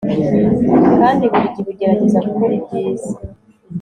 kandi burigihe ugerageza gukora ibyiza